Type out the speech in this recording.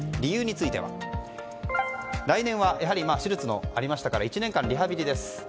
理由については、来年は手術もありましたから１年間、リハビリです。